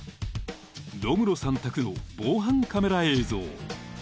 ［ロムロさん宅の防犯カメラ映像］